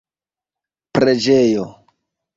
preĝejo